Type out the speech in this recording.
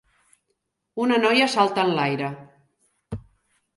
Una noia salta enlaire.